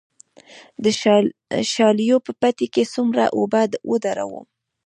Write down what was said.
د شالیو په پټي کې څومره اوبه ودروم؟